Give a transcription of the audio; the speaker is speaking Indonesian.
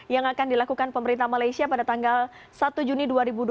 yang akan dilakukan pemerintah malaysia pada tanggal satu juni dua ribu dua puluh